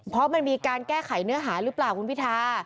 เพราะมันมีการแก้ไขเนื้อหาหรือเปล่าคุณพิทา